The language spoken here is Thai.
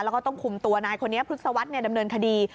แล้วก็ต้องคุมตัวนายคนนี้พรุษวัฒน์เนี่ยดำเนินคดี